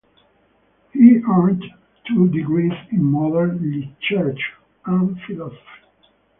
He earned two degrees in Modern Literature and Philosophy.